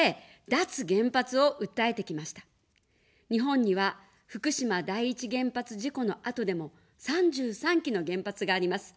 日本には福島第一原発事故の後でも、３３基の原発があります。